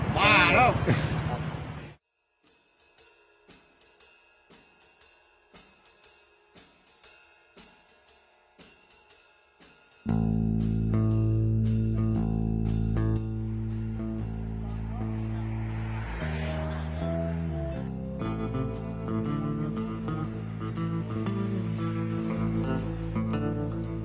มาแล้ว